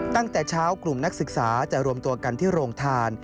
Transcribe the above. ตั้งแต่เช้ากลุ่มนักศึกษาจะรวมตัวกันที่โรงทาน